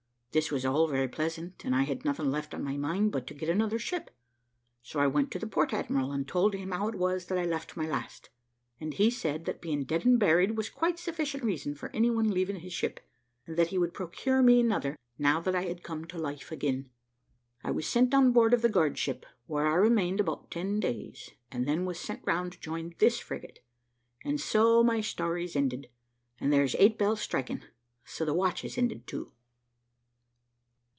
"This was all very pleasant; and I had nothing left on my mind but to get another ship; so I went to the port admiral, and told him how it was that I left my last; and he said, that being dead and buried was quite sufficient reason for any one leaving his ship, and that he would procure me another, now that I had come to life again. I was sent on board of the guardship, where I remained about ten days, and then was sent round to join this frigate and so my story's ended; and there's eight bells striking so the watch is ended too."